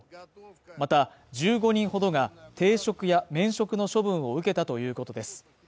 また、１５人ほどが停職や免職の処分を受けたということです。